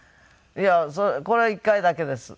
いやこれは１回だけです。